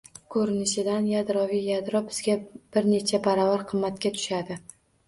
Ko'rinishidan, yadroviy yadro bizga bir necha baravar qimmatga tushadi